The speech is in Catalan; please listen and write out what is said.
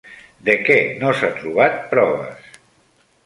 De què no s'ha trobat proves?